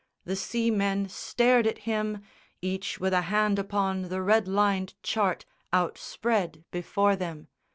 The seamen stared at him, Each with a hand upon the red lined chart Outspread before them.